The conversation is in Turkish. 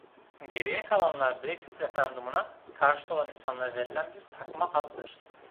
Geriye kalanlar Brexit referandumuna karşıt olan insanlara verilen bir takma addır.